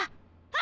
あ！